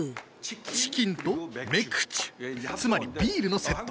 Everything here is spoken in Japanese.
チキンとメクチュつまりビールのセット。